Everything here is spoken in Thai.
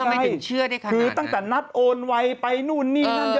ต้องมีแต่คนในโซเชียลว่าถ้ามีข่าวแบบนี้บ่อยทำไมถึงเชื่อขนาดใด